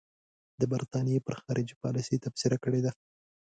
د برټانیې پر خارجي پالیسۍ تبصره کړې ده.